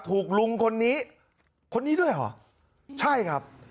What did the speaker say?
ถูกลุงคนนี้คนนี้ด้วยเหรอใช่ครับ